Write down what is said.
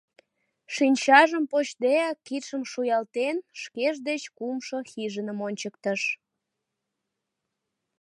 Шинчажым почдеак кидшым шуялтен, шкеж деч кумшо хижиным ончыктыш.